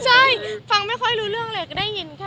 ใช่ฟังไม่ค่อยรู้เรื่องเลย